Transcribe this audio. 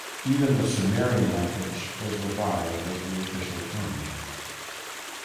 Even the Sumerian language was revived as the official tongue.